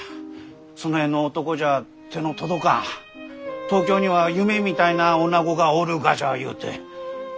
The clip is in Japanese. その辺の男じゃ手の届かん東京には夢みたいなおなごがおるがじゃゆうて。